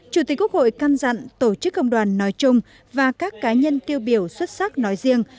chủ tịch quốc hội căn dặn tổ chức công đoàn nói chung và các cá nhân tiêu biểu xuất sắc nói riêng